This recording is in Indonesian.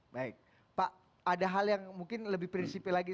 baik pak ada hal yang mungkin lebih prinsipi lagi